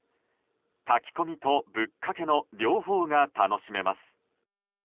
炊き込みとぶっかけの両方が楽しめます。